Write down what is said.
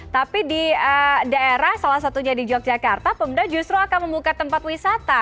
tapi di daerah salah satunya di yogyakarta pemda justru akan membuka tempat wisata